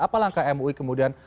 apalangka mui kemudian